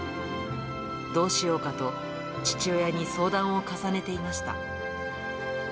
どうしようかと、父親に相談を重ねていました。